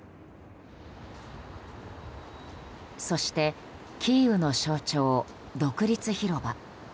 そして、キーウの象徴独立広場。